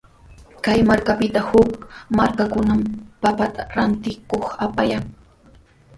Kay markapita huk markakunaman papata rantikuq apayan.